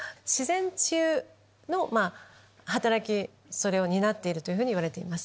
それを担っているというふうにいわれています。